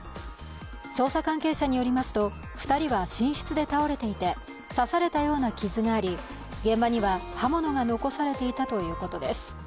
捜査関係者によりますと２人は寝室で倒れていて刺されたような傷があり現場には刃物が残されていたということです。